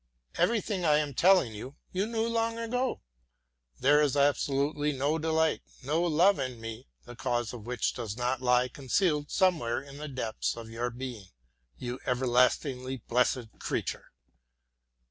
Everything I am telling you, you knew long ago. There is absolutely no delight, no love in me, the cause of which does not lie concealed somewhere in the depths of your being, you everlastingly blessed creature!